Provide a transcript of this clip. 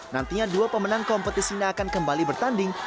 nantinya dua pemenang kompetisi ini akan kembali bertanding